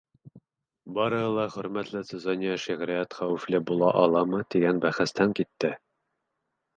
Барыһы ла, хөрмәтле Цезония, шиғриәт хәүефле була аламы, тигән бәхәстән китте.